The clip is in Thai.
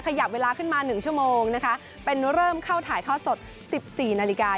ขยับเวลาขึ้นมา๑ชั่วโมงนะคะเป็นเริ่มเข้าถ่ายทอดสด๑๔นาฬิกา